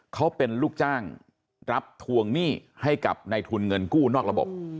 เขาเป็นลูกจ้างรับทวงหนี้ให้กับในทุนเงินกู้นอกระบบ